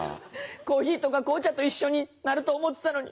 コーヒーとか紅茶と一緒になると思ってたのに。